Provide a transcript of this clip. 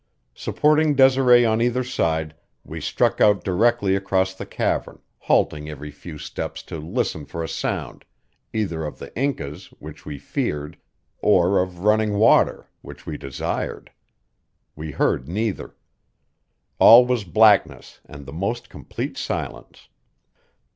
Supporting Desiree on either side, we struck out directly across the cavern, halting every few steps to listen for a sound, either of the Incas, which we feared, or of running water, which we desired. We heard neither. All was blackness and the most complete silence.